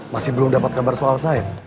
masih belum dapat kabar soal sain